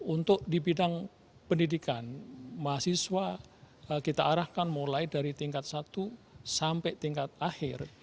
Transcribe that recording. untuk di bidang pendidikan mahasiswa kita arahkan mulai dari tingkat satu sampai tingkat akhir